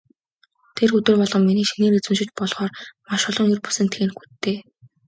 Тэр өдөр болгон миний шинээр эзэмшиж болохоор маш олон ер бусын техникүүдтэй.